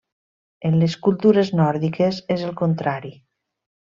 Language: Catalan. En les cultures nòrdiques és el contrari.